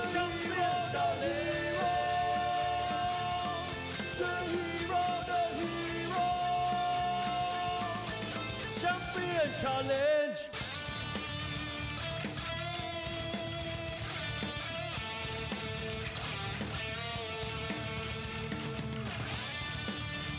ฮีรอร์ฮีรอร์ฮีรอร์จะเป็นเวลาที่สุด